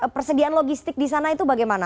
persediaan logistik di sana itu bagaimana